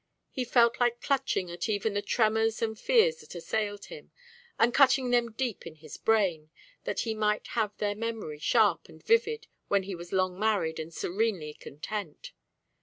He felt like clutching at even the tremours and fears that assailed him, and cutting them deep in his brain, that he might have their memory sharp and vivid when he was long married and serenely content.